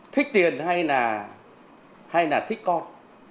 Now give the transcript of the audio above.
thích tiền hay là thích con